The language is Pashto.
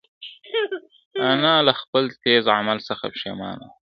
انا له خپل تېز عمل څخه پښېمانه وه.